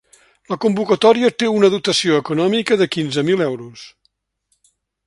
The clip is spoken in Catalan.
La convocatòria té una dotació econòmica de quinze mil euros.